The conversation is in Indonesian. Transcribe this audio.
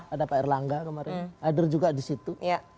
ada pak erlangga kemarin hadir juga disitu